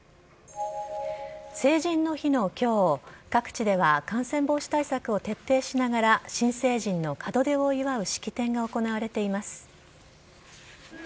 成人の日のきょう、各地では感染防止対策を徹底しながら、新成人の門出を祝う式典が行われています。